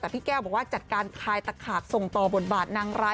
แต่พี่แก้วบอกว่าจัดการคลายตะขาบส่งต่อบทบาทนางร้าย